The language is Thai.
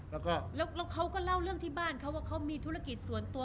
แล้วก็แล้วเขาก็เล่าเรื่องที่บ้านเขาว่าเขามีธุรกิจส่วนตัว